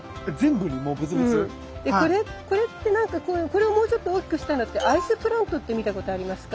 これをもうちょっと大きくしたのってアイスプラントって見たことありますか？